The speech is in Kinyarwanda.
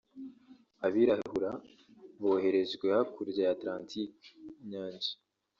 Abirabura boherejwe hakurya ya Atlantique (inyanja)